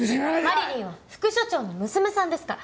マリリンは副署長の娘さんですから。